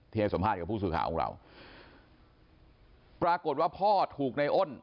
ให้สัมภาษณ์กับผู้สื่อข่าวของเราปรากฏว่าพ่อถูกในอ้น